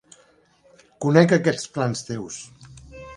Conec aquests plans teus.